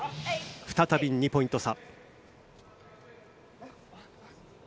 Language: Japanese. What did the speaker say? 再び２ポイント差。